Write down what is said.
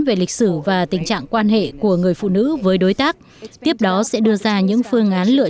về lịch sử và tình trạng quan hệ của người phụ nữ với đối tác tiếp đó sẽ đưa ra những phương án lựa